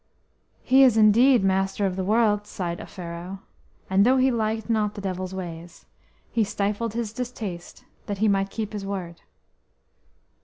"He is indeed master of the world," sighed Offero, and though he liked not the Devil's ways, he stifled his distaste that he might keep his word.